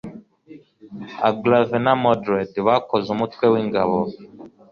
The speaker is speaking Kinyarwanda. Agravain na Modred bakoze umutwe w'ingabo